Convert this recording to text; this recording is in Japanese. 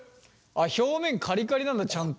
表面カリカリなんだちゃんと。